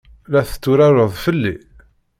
La tetturareḍ fell-i?